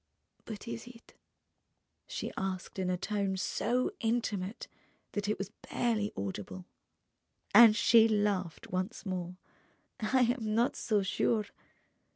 "But is it?" she asked in a tone so intimate that it was barely audible. And she laughed once more. "I am not so sure